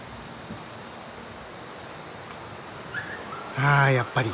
ああやっぱり。